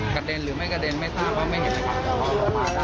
กระเด็นหรือไม่กระเด็นไม่ทราบเพราะไม่เห็นในความสุขของเขา